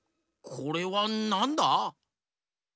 これはなんだ？